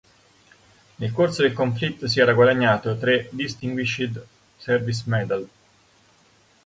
Nel corso del conflitto si era guadagnato tre Distinguished Service Medal.